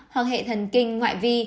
hoặc hệ thần kinh ngoại vi